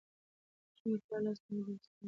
ماشوم د پلار لاس ونیو او ورسره روان شو.